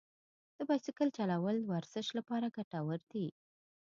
د بایسکل چلول د ورزش لپاره ګټور دي.